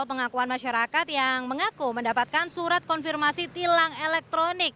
pengakuan masyarakat yang mengaku mendapatkan surat konfirmasi tilang elektronik